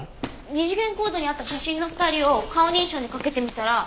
二次元コードにあった写真の２人を顔認証にかけてみたら。